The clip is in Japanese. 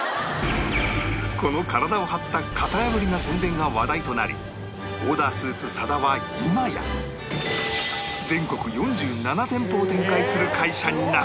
この体を張った型破りな宣伝が話題となりオーダースーツ ＳＡＤＡ は今や全国４７店舗を展開する会社になった